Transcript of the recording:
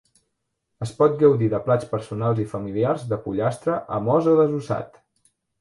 Es pot gaudir de plats personals i familiars de pollastre amb os o desossat.